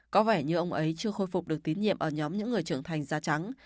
có vẻ như ông ấy chưa khôi phục được tín nhiệm ở nhóm những người trưởng thành da trắng